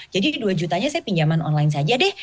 jadi dua jutanya saya pinjaman online saja deh